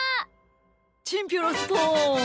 チンピョロスポン！